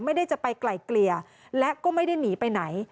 ไม่ได้จะไปไกลเกลี่ยและก็ไม่ได้หนีไปไหน